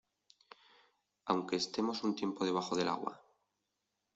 aunque estemos un tiempo debajo del agua